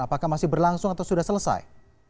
apakah masih berlangsung atau sudah selesai